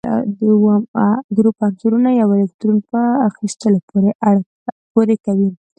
د اووم ګروپ عنصرونه یو الکترون په اخیستلو پوره کوي.